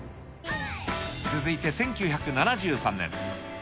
続いて１９７３年。